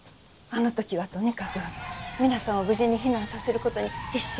あの時はとにかく皆さんを無事に避難させる事に必死でしたから。